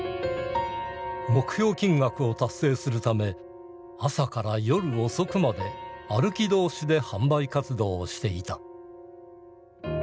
目標金額を達成するため朝から夜遅くまで歩き通しで販売活動をしていた。